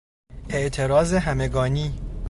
اعتراض همگانی